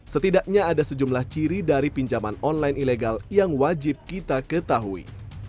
setidaknya ada sejumlah ciri dari pinjaman online ilegal yang wajib kita ketahui